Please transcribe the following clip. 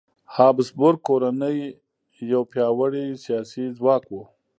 هابسبورګ کورنۍ یو پیاوړی سیاسي ځواک و.